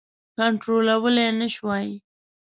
کنټرولولای نه شوای.